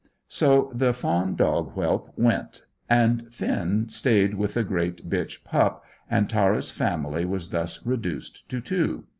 So the fawn dog whelp went, and Finn stayed with the grey bitch pup, and Tara's family was thus reduced to two.